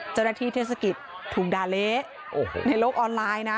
เจ้าหน้าที่เทศกิจถูกด่าเละโอ้โหในโลกออนไลน์นะ